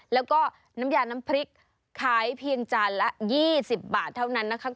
แล้วก็น้ำยาน้ำพริกขายเพียงจานละ๒๐บาทเท่านั้นนะคะ